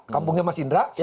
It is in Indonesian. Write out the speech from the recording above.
kampungnya mas indra ya